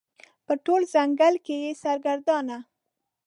په ټول ځنګل کې یې سرګردانه